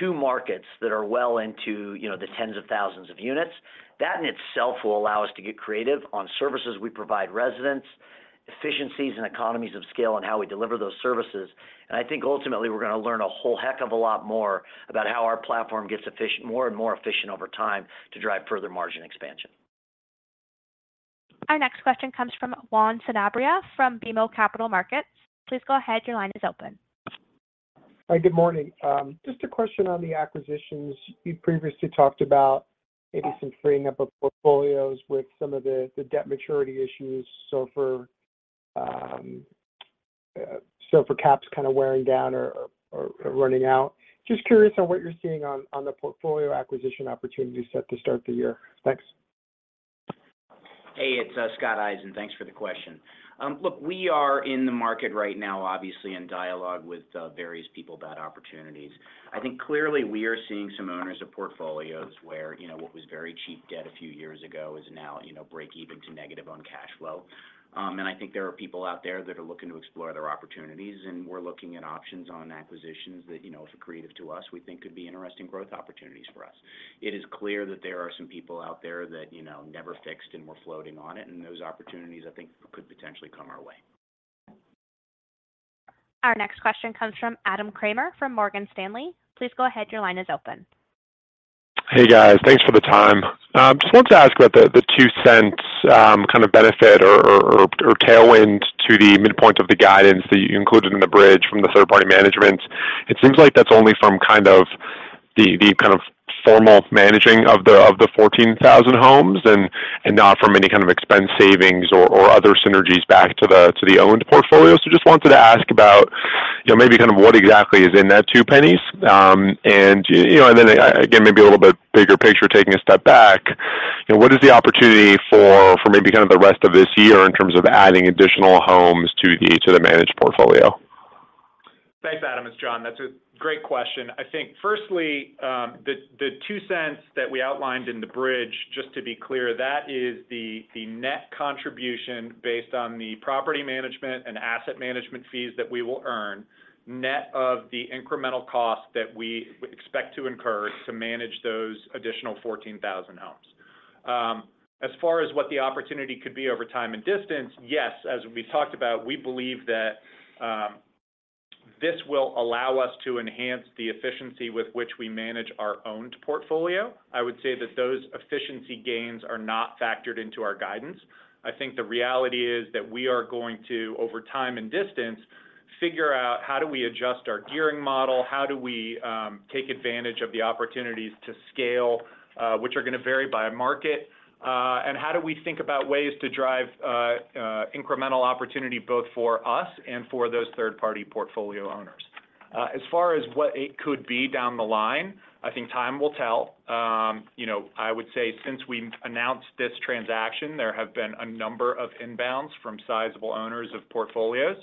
two markets that are well into, you know, the tens of thousands of units. That in itself will allow us to get creative on services we provide residents, efficiencies and economies of scale, and how we deliver those services. And I think ultimately, we're gonna learn a whole heck of a lot more about how our platform gets efficient, more and more efficient over time to drive further margin expansion. Our next question comes from Juan Sanabria from BMO Capital Markets. Please go ahead. Your line is open. Hi, good morning. Just a question on the acquisitions. You previously talked about maybe some freeing up of portfolios with some of the debt maturity issues, so for caps kind of wearing down or running out. Just curious on what you're seeing on the portfolio acquisition opportunity set to start the year. Thanks. Hey, it's Scott Eisen. Thanks for the question. Look, we are in the market right now, obviously, in dialogue with various people about opportunities. I think clearly we are seeing some owners of portfolios where, you know, what was very cheap debt a few years ago is now, you know, break even to negative on cash flow. And I think there are people out there that are looking to explore other opportunities, and we're looking at options on acquisitions that, you know, if accretive to us, we think could be interesting growth opportunities for us. It is clear that there are some people out there that, you know, never fixed and were floating on it, and those opportunities, I think, could potentially come our way. Our next question comes from Adam Kramer from Morgan Stanley. Please go ahead. Your line is open. Hey, guys. Thanks for the time. Just wanted to ask about the $0.02 kind of benefit or tailwind to the midpoint of the guidance that you included in the bridge from the third-party management. It seems like that's only from kind of the kind of formal managing of the 14,000 homes and not from any kind of expense savings or other synergies back to the owned portfolio. So just wanted to ask about, you know, maybe kind of what exactly is in that $0.02. And, you know, and then, again, maybe a little bit bigger picture, taking a step back, you know, what is the opportunity for maybe kind of the rest of this year in terms of adding additional homes to the managed portfolio? Thanks, Adam. It's Jon. That's a great question. I think firstly, the $0.02 that we outlined in the bridge, just to be clear, that is the net contribution based on the property management and asset management fees that we will earn, net of the incremental cost that we would expect to incur to manage those additional 14,000 homes. As far as what the opportunity could be over time and distance, yes, as we talked about, we believe that this will allow us to enhance the efficiency with which we manage our owned portfolio. I would say that those efficiency gains are not factored into our guidance. I think the reality is that we are going to, over time and distance, figure out how do we adjust our gearing model, how do we take advantage of the opportunities to scale, which are going to vary by market, and how do we think about ways to drive incremental opportunity, both for us and for those third-party portfolio owners? As far as what it could be down the line, I think time will tell. You know, I would say since we announced this transaction, there have been a number of inbounds from sizable owners of portfolios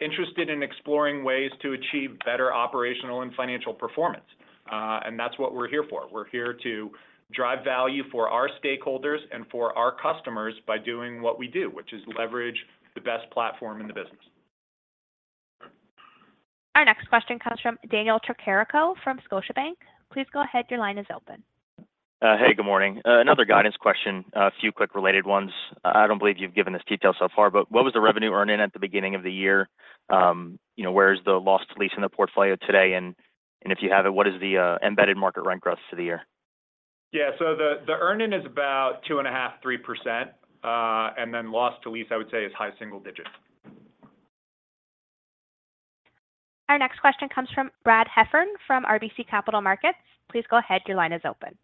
interested in exploring ways to achieve better operational and financial performance. And that's what we're here for. We're here to drive value for our stakeholders and for our customers by doing what we do, which is leverage the best platform in the business. Our next question comes from Daniel Tricarico from Scotiabank. Please go ahead. Your line is open. Hey, good morning. Another guidance question, a few quick related ones. I don't believe you've given this detail so far, but what was the revenue earn-in at the beginning of the year? You know, where is the loss to lease in the portfolio today, and if you have it, what is the embedded market rent growth for the year? Yeah, so the earn-in is about 2.5%-3%, and then loss to lease, I would say, is high single digits. Our next question comes from Brad Heffern from RBC Capital Markets. Please go ahead. Your line is open.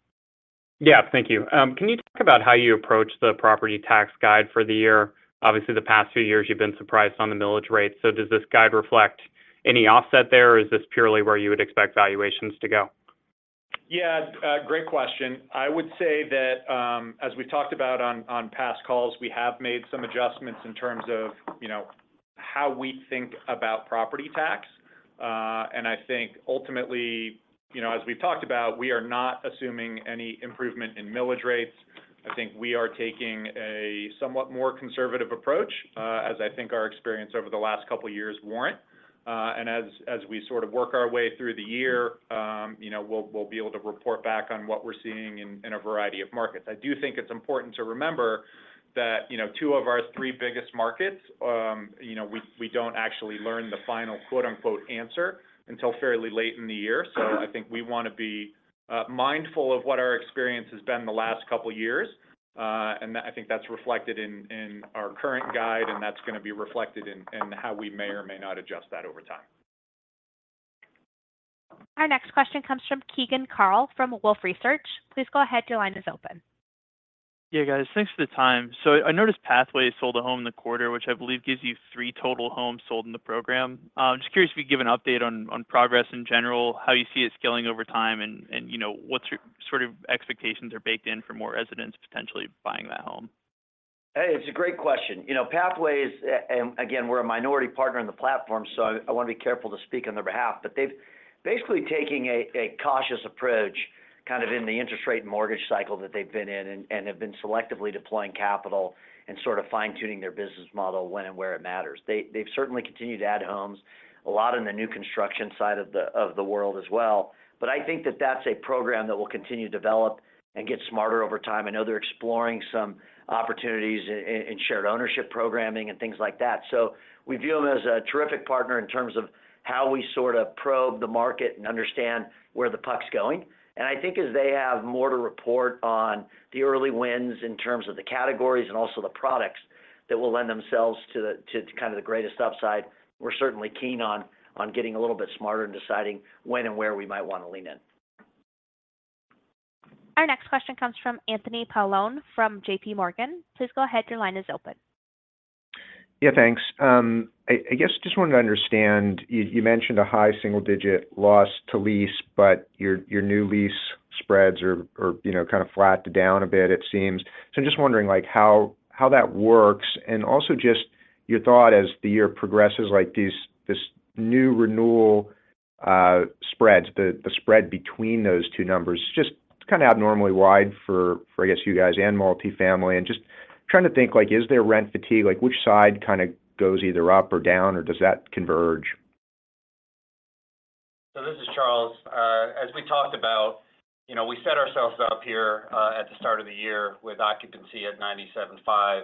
Yeah, thank you. Can you talk about how you approach the property tax guide for the year? Obviously, the past few years you've been surprised on the millage rate. So does this guide reflect any offset there, or is this purely where you would expect valuations to go? Yeah, great question. I would say that, as we talked about on past calls, we have made some adjustments in terms of, you know, how we think about property tax. And I think ultimately, you know, as we've talked about, we are not assuming any improvement in millage rates. I think we are taking a somewhat more conservative approach, as I think our experience over the last couple of years warrant. And as we sort of work our way through the year, you know, we'll be able to report back on what we're seeing in a variety of markets. I do think it's important to remember that, you know, two of our three biggest markets, you know, we don't actually learn the final quote, unquote, "answer" until fairly late in the year. So I think we want to be mindful of what our experience has been the last couple of years, and that I think that's reflected in our current guide, and that's going to be reflected in how we may or may not adjust that over time. Our next question comes from Keegan Carl from Wolfe Research. Please go ahead. Your line is open. Yeah, guys, thanks for the time. So I noticed Pathway sold a home in the quarter, which I believe gives you three total homes sold in the program. Just curious if you could give an update on progress in general, how you see it scaling over time, and you know, what sort of expectations are baked in for more residents potentially buying that home? Hey, it's a great question. You know, Pathway, and again, we're a minority partner on the platform, so I want to be careful to speak on their behalf. But they've basically taking a cautious approach, kind of in the interest rate and mortgage cycle that they've been in and have been selectively deploying capital and sort of fine-tuning their business model when and where it matters. They've certainly continued to add homes, a lot in the new construction side of the world as well. But I think that that's a program that will continue to develop and get smarter over time. I know they're exploring some opportunities in shared ownership programming and things like that. So we view them as a terrific partner in terms of how we sort of probe the market and understand where the puck is going. I think as they have more to report on the early wins in terms of the categories and also the products that will lend themselves to the kind of the greatest upside, we're certainly keen on getting a little bit smarter and deciding when and where we might want to lean in. Our next question comes from Anthony Paolone, from JP Morgan. Please go ahead. Your line is open. Yeah, thanks. I guess just wanted to understand, you mentioned a high single digit loss to lease, but your new lease spreads are, you know, kind of flat to down a bit it seems. So I'm just wondering like how that works, and also just your thought as the year progresses, like, this new renewal spreads, the spread between those two numbers. Just kinda abnormally wide for, for I guess you guys and multifamily, and just trying to think, like, is there rent fatigue? Like, which side kind of goes either up or down, or does that converge? So this is Charles. As we talked about, you know, we set ourselves up here at the start of the year with occupancy at 97.5%,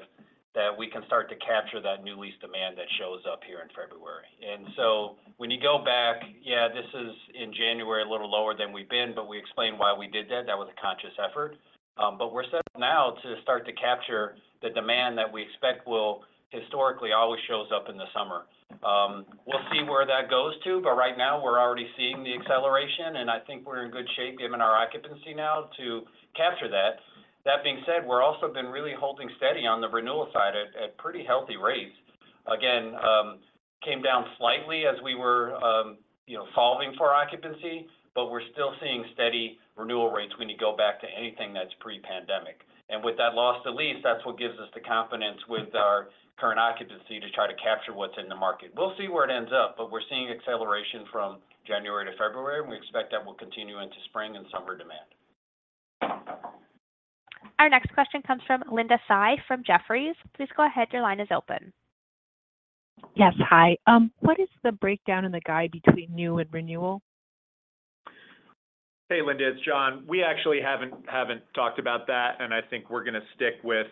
that we can start to capture that new lease demand that shows up here in February. And so when you go back, yeah, this is in January, a little lower than we've been, but we explained why we did that. That was a conscious effort. But we're set now to start to capture the demand that we expect will historically always shows up in the summer. We'll see where that goes to, but right now we're already seeing the acceleration, and I think we're in good shape, given our occupancy now to capture that. That being said, we're also been really holding steady on the renewal side at pretty healthy rates. Again, came down slightly as we were, you know, solving for occupancy, but we're still seeing steady renewal rates when you go back to anything that's pre-pandemic. And with that loss to lease, that's what gives us the confidence with our current occupancy to try to capture what's in the market. We'll see where it ends up, but we're seeing acceleration from January to February, and we expect that will continue into spring and summer demand. Our next question comes from Linda Tsai from Jefferies. Please go ahead. Your line is open. Yes, hi. What is the breakdown in the guide between new and renewal? Hey, Linda, it's Jon. We actually haven't talked about that, and I think we're gonna stick with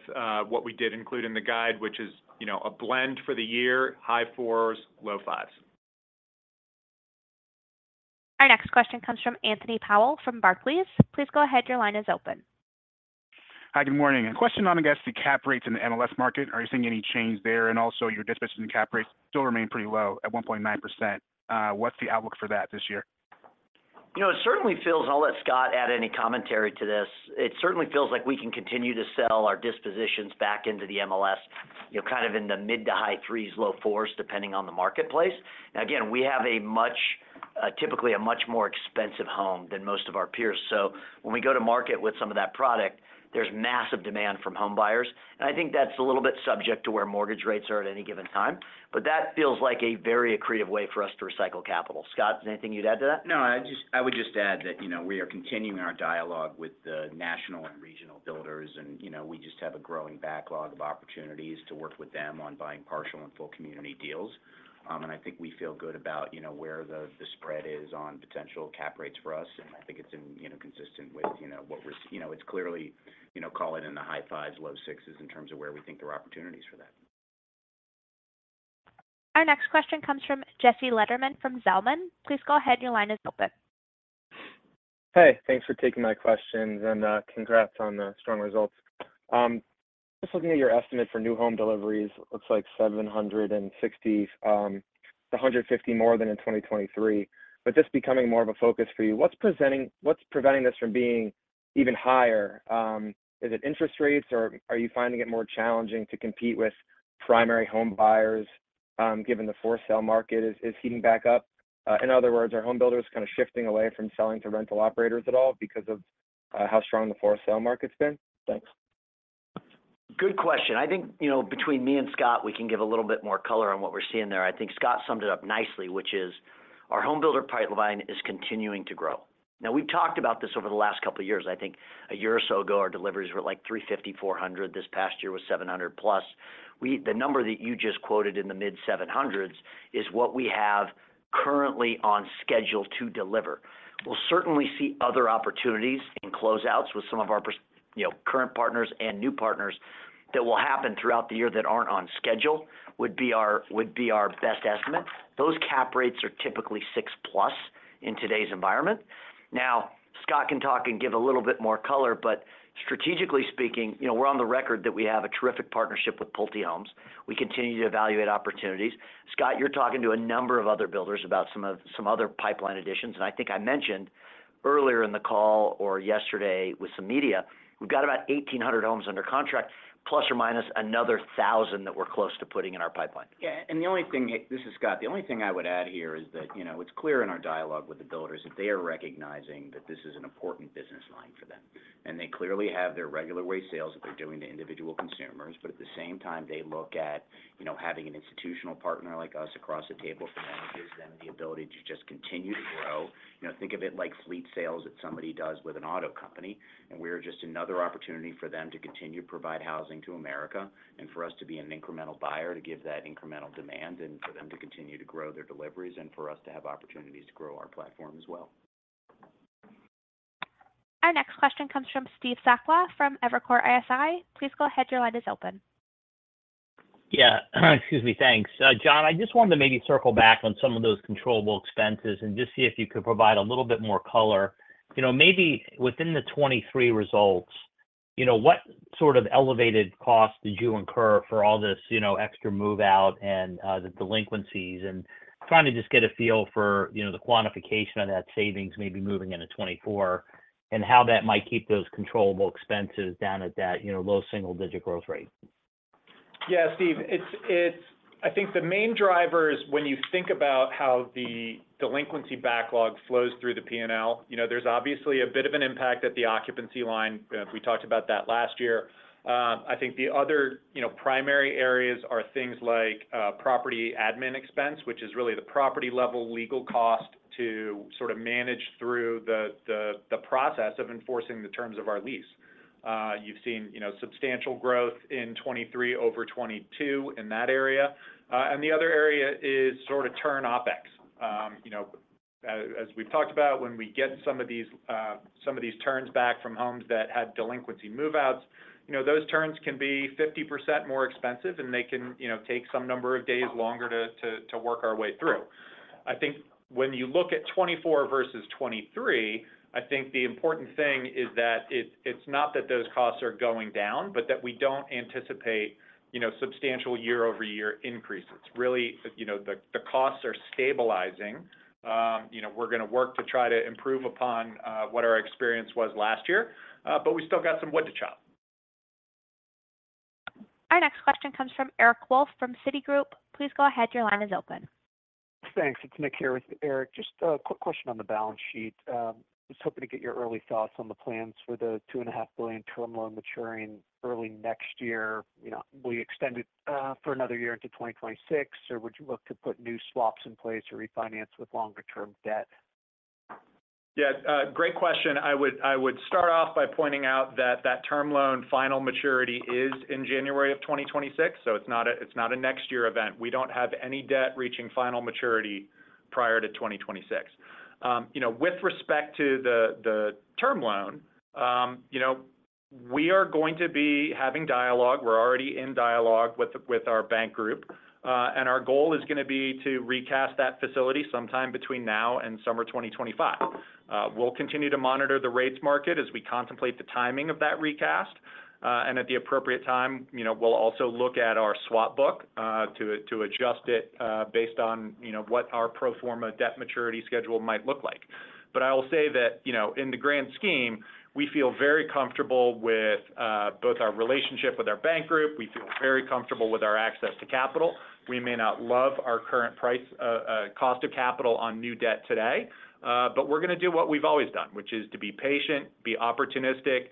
what we did include in the guide, which is, you know, a blend for the year, high 4%, low 5%. Our next question comes from Anthony Powell from Barclays. Please go ahead. Your line is open. Hi, good morning. A question on, I guess, the cap rates in the MLS market. Are you seeing any change there? And also, your dispositions and cap rates still remain pretty low at 1.9%. What's the outlook for that this year? You know, it certainly feels. I'll let Scott add any commentary to this. It certainly feels like we can continue to sell our dispositions back into the MLS, you know, kind of in the mid to high threes, low fours, depending on the marketplace. Now, again, we have a much, typically a much more expensive home than most of our peers. So when we go to market with some of that product, there's massive demand from home buyers. And I think that's a little bit subject to where mortgage rates are at any given time, but that feels like a very accretive way for us to recycle capital. Scott, anything you'd add to that? No, I just, I would just add that, you know, we are continuing our dialogue with the national and regional builders, and, you know, we just have a growing backlog of opportunities to work with them on buying partial and full community deals. And I think we feel good about, you know, where the spread is on potential cap rates for us, and I think it's in, you know, consistent with, you know, what we're, you know, it's clearly, you know, call it in the high fives, low sixes in terms of where we think there are opportunities for that. Our next question comes from Jesse Lederman from Zelman. Please go ahead. Your line is open. Hey, thanks for taking my questions, and, congrats on the strong results. Just looking at your estimate for new home deliveries, looks like 760, 150 more than in 2023. But just becoming more of a focus for you, what's presenting-- what's preventing this from being even higher? Is it interest rates, or are you finding it more challenging to compete with primary home buyers, given the for-sale market is, is heating back up? In other words, are home builders kind of shifting away from selling to rental operators at all because of, how strong the for-sale market's been? Thanks. Good question. I think, you know, between me and Scott, we can give a little bit more color on what we're seeing there. I think Scott summed it up nicely, which is our home builder pipeline is continuing to grow. Now, we've talked about this over the last couple of years. I think a year or so ago, our deliveries were, like, 350-400. This past year was 700+. The number that you just quoted in the mid-700s is what we have currently on schedule to deliver. We'll certainly see other opportunities in closeouts with some of our you know, current partners and new partners that will happen throughout the year that aren't on schedule, would be our, would be our best estimate. Those cap rates are typically six plus in today's environment. Now, Scott can talk and give a little bit more color, but strategically speaking, you know, we're on the record that we have a terrific partnership with Pulte Homes. We continue to evaluate opportunities. Scott, you're talking to a number of other builders about some other pipeline additions, and I think I mentioned earlier in the call or yesterday with some media, we've got about 1,800 homes under contract, plus or minus another 1,000 that we're close to putting in our pipeline. Yeah, and the only thing... This is Scott. The only thing I would add here is that, you know, it's clear in our dialogue with the builders that they are recognizing that this is an important business line for them. And they clearly have their regular way sales that they're doing to individual consumers, but at the same time, they look at, you know, having an institutional partner like us across the table from them. It gives them the ability to just continue to grow. You know, think of it like fleet sales that somebody does with an auto company, and we're just another opportunity for them to continue to provide housing to America, and for us to be an incremental buyer, to give that incremental demand, and for them to continue to grow their deliveries, and for us to have opportunities to grow our platform as well. Our next question comes from Steve Sakwa from Evercore ISI. Please go ahead. Your line is open. Yeah, excuse me. Thanks. Jon, I just wanted to maybe circle back on some of those controllable expenses and just see if you could provide a little bit more color. You know, maybe within the 2023 results, you know, what sort of elevated cost did you incur for all this, you know, extra move-out and the delinquencies? And trying to just get a feel for, you know, the quantification of that savings may be moving into 2024, and how that might keep those controllable expenses down at that, you know, low single digit growth rate. ... Yeah, Steve, it's, I think the main driver is when you think about how the delinquency backlog flows through the P&L, you know, there's obviously a bit of an impact at the occupancy line. We talked about that last year. I think the other, you know, primary areas are things like property admin expense, which is really the property-level legal cost to sort of manage through the process of enforcing the terms of our lease. You've seen, you know, substantial growth in 2023 over 2022 in that area. And the other area is sort of turn OpEx. You know, as we've talked about, when we get some of these, some of these turns back from homes that had delinquency move-outs, you know, those turns can be 50% more expensive, and they can, you know, take some number of days longer to work our way through. I think when you look at 2024 versus 2023, I think the important thing is that it's not that those costs are going down, but that we don't anticipate, you know, substantial year-over-year increases. Really, you know, the costs are stabilizing. You know, we're going to work to try to improve upon what our experience was last year, but we still got some wood to chop. Our next question comes from Eric Wolfe from Citigroup. Please go ahead. Your line is open. Thanks. It's Nick here with Eric. Just a quick question on the balance sheet. Just hoping to get your early thoughts on the plans for the $2.5 billion term loan maturing early next year. You know, will you extend it, for another year into 2026, or would you look to put new swaps in place or refinance with longer-term debt? Yeah, great question. I would start off by pointing out that that term loan final maturity is in January 2026, so it's not a next year event. We don't have any debt reaching final maturity prior to 2026. You know, with respect to the term loan, you know, we are going to be having dialogue. We're already in dialogue with our bank group, and our goal is going to be to recast that facility sometime between now and summer 2025. We'll continue to monitor the rates market as we contemplate the timing of that recast. And at the appropriate time, you know, we'll also look at our swap book to adjust it based on, you know, what our pro forma debt maturity schedule might look like. But I will say that, you know, in the grand scheme, we feel very comfortable with both our relationship with our bank group. We feel very comfortable with our access to capital. We may not love our current price, cost of capital on new debt today, but we're going to do what we've always done, which is to be patient, be opportunistic,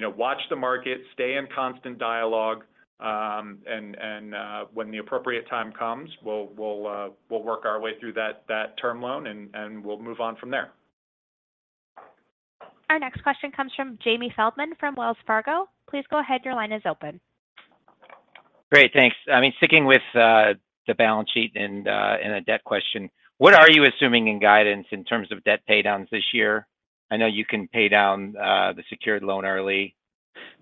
you know, watch the market, stay in constant dialogue, and when the appropriate time comes, we'll work our way through that term loan, and we'll move on from there. Our next question comes from Jamie Feldman from Wells Fargo. Please go ahead. Your line is open. Great, thanks. I mean, sticking with the balance sheet and a debt question, what are you assuming in guidance in terms of debt paydowns this year? I know you can pay down the secured loan early,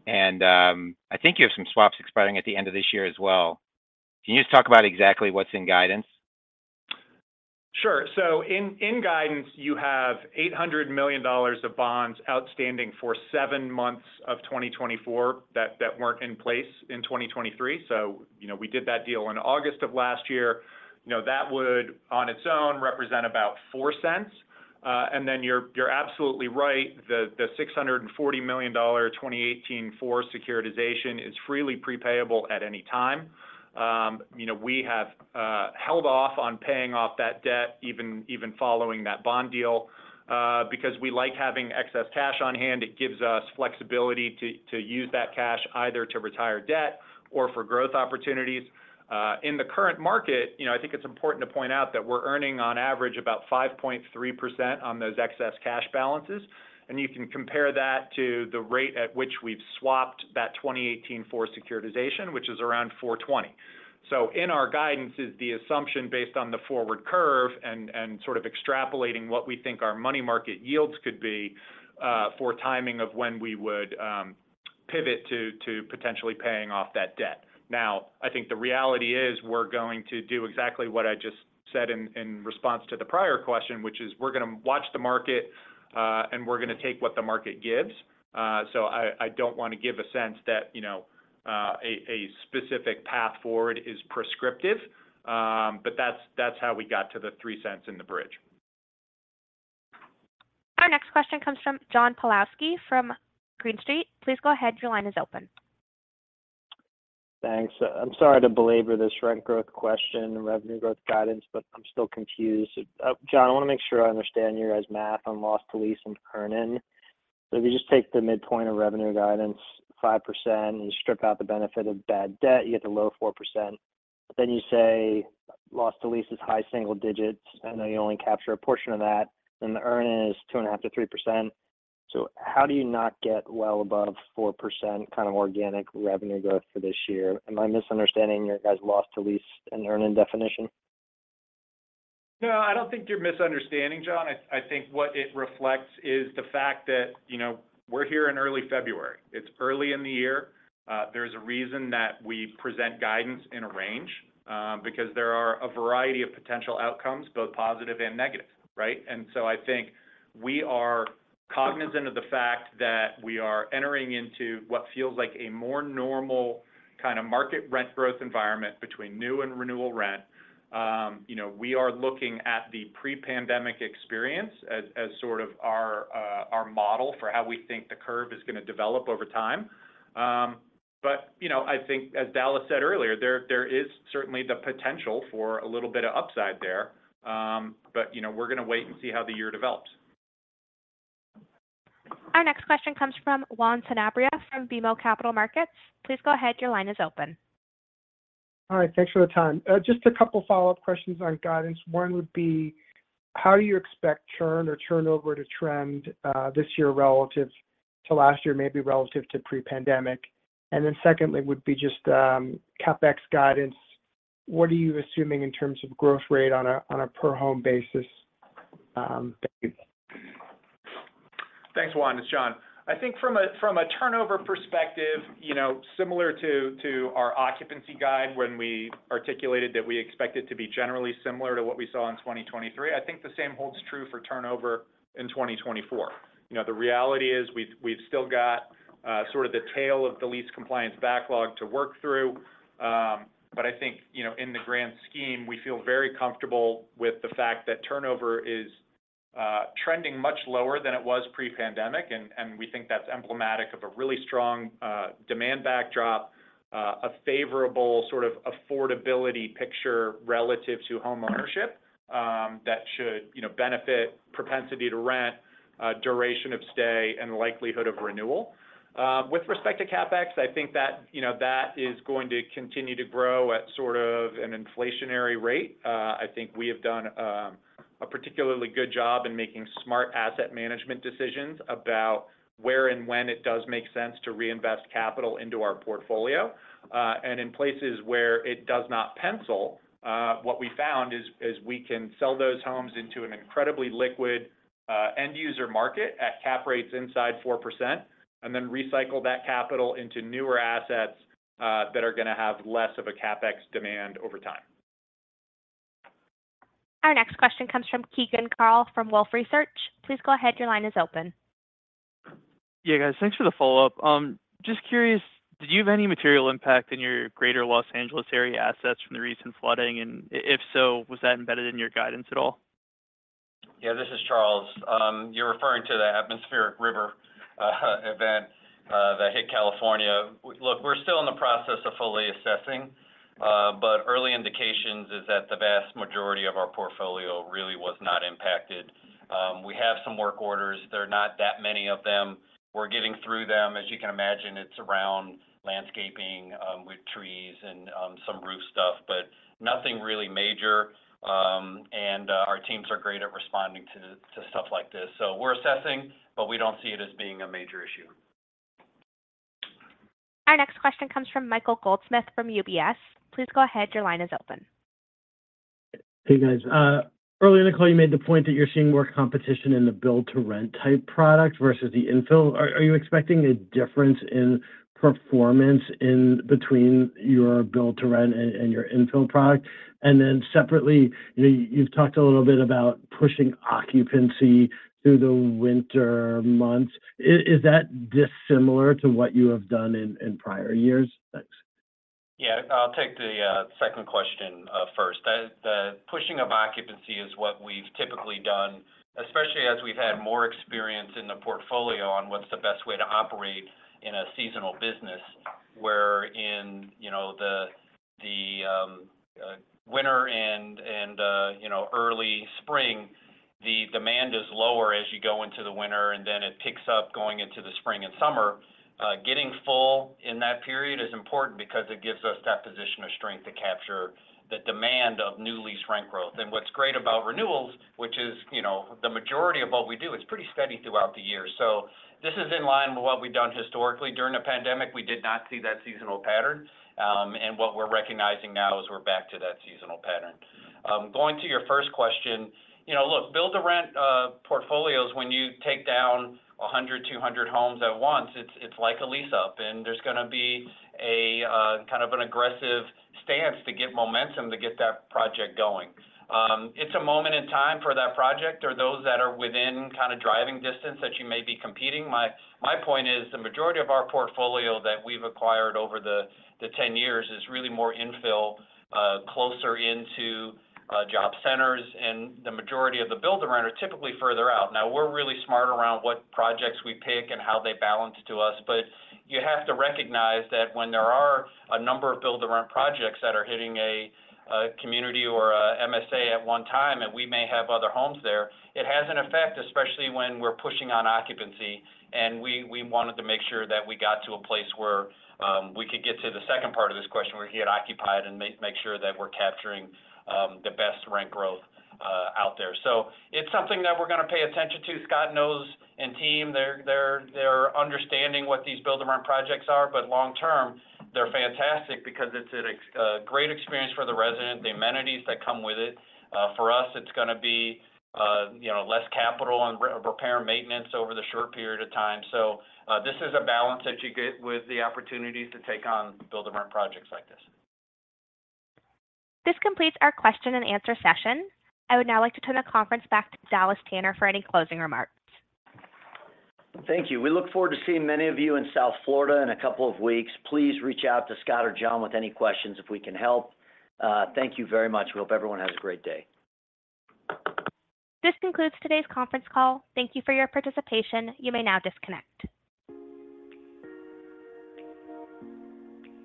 and I think you have some swaps expiring at the end of this year as well. Can you just talk about exactly what's in guidance? Sure. So in guidance, you have $800 million of bonds outstanding for 7 months of 2024 that weren't in place in 2023. So, you know, we did that deal in August of last year. You know, that would, on its own, represent about $0.04. And then you're absolutely right. The $640 million 2018-4 securitization is freely prepayable at any time. You know, we have held off on paying off that debt, even following that bond deal, because we like having excess cash on hand. It gives us flexibility to use that cash either to retire debt or for growth opportunities. In the current market, you know, I think it's important to point out that we're earning on average about 5.3% on those excess cash balances, and you can compare that to the rate at which we've swapped that 2018-4 securitization, which is around 4.20. So in our guidance is the assumption based on the forward curve and, and sort of extrapolating what we think our money market yields could be, for timing of when we would pivot to, to potentially paying off that debt. Now, I think the reality is, we're going to do exactly what I just said in response to the prior question, which is we're going to watch the market, and we're going to take what the market gives. So, I don't want to give a sense that, you know, a specific path forward is prescriptive, but that's how we got to the $0.03 in the bridge. Our next question comes from John Pawlowski from Green Street. Please go ahead. Your line is open. Thanks. I'm sorry to belabor this rent growth question, revenue growth guidance, but I'm still confused. Jon, I want to make sure I understand your guys' math on loss to lease and earn-in. So if you just take the midpoint of revenue guidance, 5%, and strip out the benefit of bad debt, you get the low 4%. But then you say, loss to lease is high single digits, I know you only capture a portion of that, then the earn-in is 2.5%-3%. So how do you not get well above 4%, kind of organic revenue growth for this year? Am I misunderstanding your guys' loss to lease and earn-in definition? No, I don't think you're misunderstanding, John. I, I think what it reflects is the fact that, you know, we're here in early February. It's early in the year. There's a reason that we present guidance in a range, because there are a variety of potential outcomes, both positive and negative, right? And so I think we are cognizant of the fact that we are entering into what feels like a more normal kind of market rent growth environment between new and renewal rent. You know, we are looking at the pre-pandemic experience as, as sort of our, our model for how we think the curve is going to develop over time. But, you know, I think as Dallas said earlier, there, there is certainly the potential for a little bit of upside there. But, you know, we're going to wait and see how the year develops. Our next question comes from Juan Sanabria from BMO Capital Markets. Please go ahead. Your line is open. All right, thanks for the time. Just a couple follow-up questions on guidance. One would be: How do you expect churn or turnover to trend this year relative to last year, maybe relative to pre-pandemic? And then secondly, would be just CapEx guidance. What are you assuming in terms of growth rate on a per-home basis? Thank you. Thanks, Juan. It's Jon. I think from a turnover perspective, you know, similar to our occupancy guide, when we articulated that we expect it to be generally similar to what we saw in 2023, I think the same holds true for turnover in 2024. You know, the reality is we've still got sort of the tail of the lease compliance backlog to work through. But I think, you know, in the grand scheme, we feel very comfortable with the fact that turnover is trending much lower than it was pre-pandemic, and we think that's emblematic of a really strong demand backdrop. A favorable sort of affordability picture relative to homeownership that should, you know, benefit propensity to rent, duration of stay, and likelihood of renewal. With respect to CapEx, I think that, you know, that is going to continue to grow at sort of an inflationary rate. I think we have done a particularly good job in making smart asset management decisions about where and when it does make sense to reinvest capital into our portfolio. And in places where it does not pencil, what we found is we can sell those homes into an incredibly liquid end user market at cap rates inside 4% and then recycle that capital into newer assets that are going to have less of a CapEx demand over time. Our next question comes from Keegan Carl from Wolfe Research. Please go ahead. Your line is open. Yeah, guys. Thanks for the follow-up. Just curious, did you have any material impact in your greater Los Angeles area assets from the recent flooding? And if so, was that embedded in your guidance at all? Yeah, this is Charles. You're referring to the atmospheric river event that hit California. Look, we're still in the process of fully assessing, but early indications is that the vast majority of our portfolio really was not impacted. We have some work orders. There are not that many of them. We're getting through them. As you can imagine, it's around landscaping with trees and some roof stuff, but nothing really major. And our teams are great at responding to stuff like this. So we're assessing, but we don't see it as being a major issue. Our next question comes from Michael Goldsmith from UBS. Please go ahead. Your line is open. Hey, guys. Earlier, in the call, you made the point that you're seeing more competition in the build-to-rent type product versus the infill. Are you expecting a difference in performance in between your build-to-rent and your infill product? And then separately, you know, you've talked a little bit about pushing occupancy through the winter months. Is that dissimilar to what you have done in prior years? Thanks. Yeah. I'll take the second question first. The pushing of occupancy is what we've typically done, especially as we've had more experience in the portfolio on what's the best way to operate in a seasonal business, where in, you know, the winter and early spring, the demand is lower as you go into the winter, and then it picks up going into the spring and summer. Getting full in that period is important because it gives us that position of strength to capture the demand of new lease rent growth. And what's great about renewals, which is, you know, the majority of what we do, it's pretty steady throughout the year. So this is in line with what we've done historically. During the pandemic, we did not see that seasonal pattern. And what we're recognizing now is we're back to that seasonal pattern. Going to your first question, you know, look, build-to-rent portfolios, when you take down 100, 200 homes at once, it's like a lease-up, and there's gonna be a kind of an aggressive stance to get momentum to get that project going. It's a moment in time for that project or those that are within kind of driving distance that you may be competing. My point is, the majority of our portfolio that we've acquired over the 10 years is really more infill closer into job centers, and the majority of the build-to-rent are typically further out. Now, we're really smart around what projects we pick and how they balance to us, but you have to recognize that when there are a number of build-to-rent projects that are hitting a community or a MSA at one time, and we may have other homes there, it has an effect, especially when we're pushing on occupancy. And we wanted to make sure that we got to a place where we could get to the second part of this question, where he had occupied, and make sure that we're capturing the best rent growth out there. So it's something that we're going to pay attention to. Scott knows, and the team, they're understanding what these build-to-rent projects are, but long term, they're fantastic because it's a great experience for the resident, the amenities that come with it. For us, it's going to be, you know, less capital and repair maintenance over the short period of time. So, this is a balance that you get with the opportunity to take on build-to-rent projects like this. This completes our question and answer session. I would now like to turn the conference back to Dallas Tanner for any closing remarks. Thank you. We look forward to seeing many of you in South Florida in a couple of weeks. Please reach out to Scott or Jon with any questions if we can help. Thank you very much. We hope everyone has a great day. This concludes today's conference call. Thank you for your participation. You may now disconnect.